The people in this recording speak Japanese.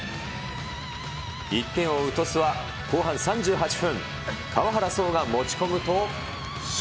１点を追う鳥栖は後半３８分。